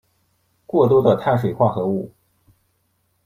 过多的碳水化合物